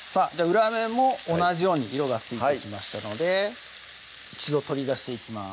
裏面も同じように色がついてきましたので一度取り出していきます